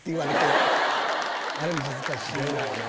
あれも恥ずかしい。